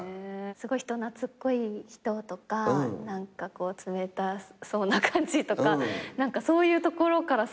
すごい人懐っこい人とか何か冷たそうな感じとかそういうところから想像して。